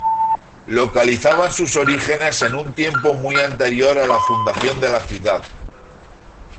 Localizaban sus orígenes en un tiempo muy anterior a la fundación de la ciudad.